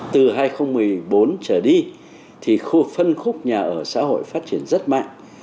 từ hai nghìn một mươi bốn trở đi thì khu phân khúc nhà ở xã hội phát triển rất mạnh